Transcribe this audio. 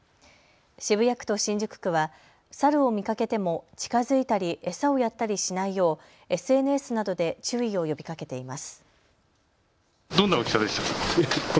渋谷区と新宿区はサルを見かけても近づいたり餌をやったりしないようＳＮＳなどで注意を呼びかけています。